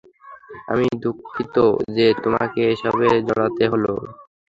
আমি দুঃখিত যে তোমাকে এসবে জড়াতে হলো।